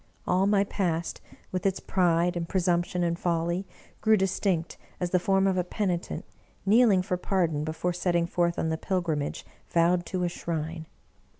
All my past, with its pride and presumption and folly, grew distinct as the form of a penitent, kneeling for pardon before setting forth on the pilgrimage vowed to a shrine.